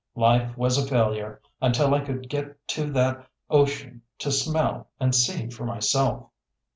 Life was a failure until I could get to that Ocean to smell and see for myself.